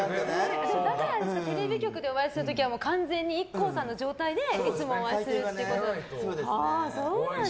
だからテレビ局でお会いする時は完全にＩＫＫＯさんの状態でいつもお会いすることが多い。